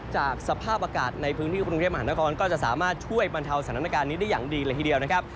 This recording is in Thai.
จากสภาพอากาศในพื้นที่กรุงเทพมหานครก็จะสามารถช่วยบรรเทาสถานการณ์นี้ได้อย่างดีเลยทีเดียวนะครับ